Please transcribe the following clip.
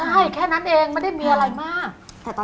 ใช่แค่นั้นเองไม่ได้มีอะไรมาก